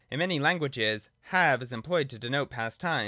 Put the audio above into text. — In many lan guages ' have ' is employed to denote past time.